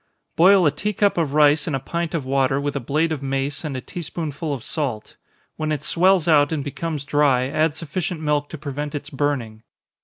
_ Boil a tea cup of rice in a pint of water, with a blade of mace, and a tea spoonful of salt. When it swells out and becomes dry, add sufficient milk to prevent its burning.